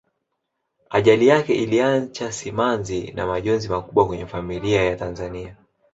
ajali yake iliacha simanzi na majonzi makubwa kwenye familia za tanzania